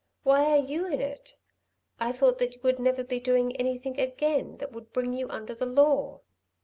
Why are you in it? I thought that you would never be doing anything again that would bring you under the law."